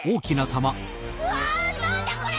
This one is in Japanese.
うわなんだこれ！